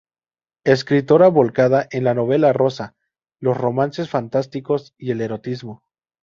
Escritora volcada en la novela rosa, los romances fantásticos y el erotismo.